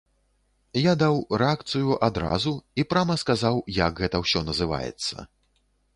Я даў рэакцыю адразу і прама сказаў, як гэта ўсё называецца.